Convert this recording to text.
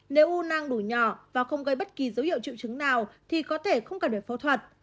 nếu u năng đủ nhỏ và không gây bất kỳ dấu hiệu triệu trứng nào thì có thể không cần phải phẫu thuật